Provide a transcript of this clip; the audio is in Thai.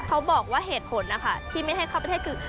เขาบอกว่าเหตุผลนะคะที่ไม่ให้เข้าประเทศคือ